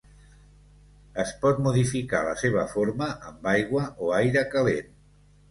Es pot modificar la seva forma amb aigua o aire calent.